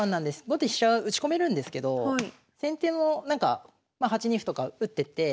後手飛車打ち込めるんですけど先手のなんかまあ８二歩とか打ってって